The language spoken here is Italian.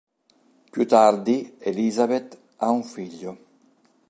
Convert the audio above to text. Più tardi Elizabeth ha un figlio.